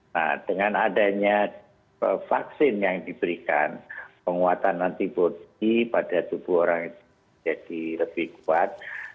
nah dengan adanya vaksin yang diberikan penguatan antibody pada tubuh orang itu jadi lebih kuat